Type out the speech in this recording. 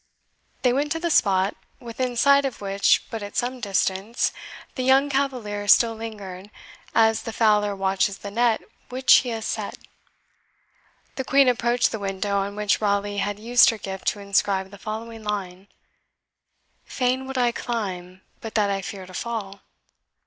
They went to the spot, within sight of which, but at some distance, the young cavalier still lingered, as the fowler watches the net which he has set. The Queen approached the window, on which Raleigh had used her gift to inscribe the following line: "Fain would I climb, but that I fear to fall."